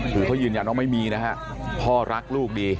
คือเขายืนยันว่าไม่มีนะฮะพ่อรักลูกดี